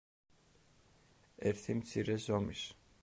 ერთი მცირე ზომის.